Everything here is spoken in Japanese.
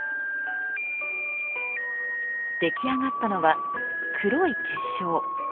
出来上がったのは「黒い結晶」。